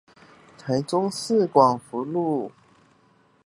台中市廣福路